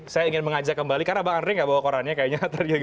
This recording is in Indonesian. saya ingin mengajak kembali karena bang andre nggak bawa korannya kayaknya terjaga